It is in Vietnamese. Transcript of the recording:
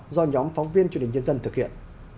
do nhóm phóng viên truyền hình nhân dân thực hiện